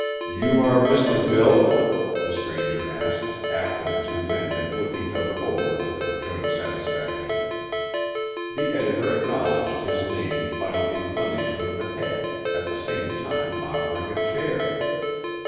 "You are Mr. Bill?" the stranger asked, after the two men had looked each other over to their joint satisfaction. The editor acknowledged his name by an inclination of the head, at the same time offering a chair.